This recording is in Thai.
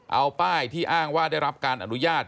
เอาป้ายที่อ้างว่าได้รับการอนุญาต